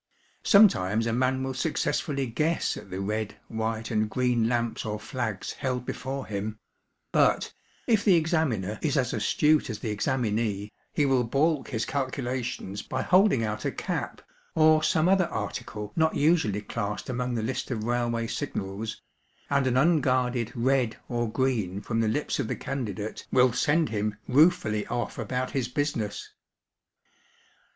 Sometimes a man will successfully guess at the red, white, and green lamps or flags held before him; but, if the examiner is as astute as the examinee, he will balk his calculations by holding out a cap, or some other article not usually classed among the list of railway signals, and an unguarded 'Red' or 'Green' from the lips of the candidate will send him ruefully off about his business.